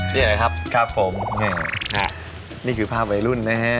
นี่แหละครับครับผมนี่คือภาพวัยรุ่นนะฮะ